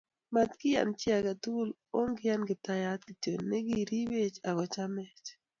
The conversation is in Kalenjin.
matkeyan chi agetugul o nge yan kiptayat kityo ne kiripech ak kochamech